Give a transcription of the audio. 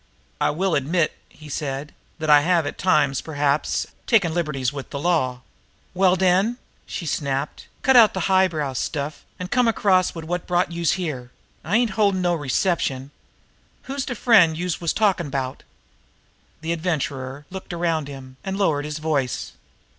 "I will admit," he said, "that I have at times, perhaps, taken liberties with the law." "Well, den," she snapped, "cut out de high brow stuff, an' come across wid wot brought youse here. I ain't holdin' no reception. Who's de friend youse was talkin' about?" The Adventurer looked around him, and lowered his voice.